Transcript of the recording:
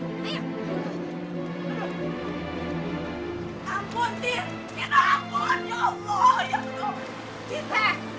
ampun tina ampun ya allah ya tuhan